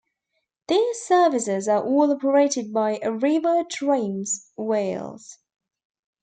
These services are all operated by Arriva Trains Wales.